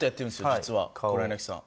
実は黒柳さん。